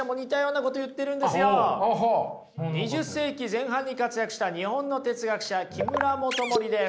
２０世紀前半に活躍した日本の哲学者木村素衛です。